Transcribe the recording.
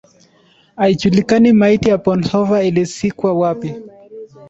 Haijulikani maiti ya Bonhoeffer ilizikwa wapi.